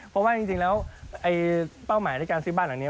เพราะว่าจริงแล้วเป้าหมายในการซื้อบ้านหลังนี้